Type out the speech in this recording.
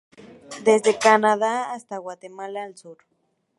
Desde Canadá hasta Guatemala al Sur.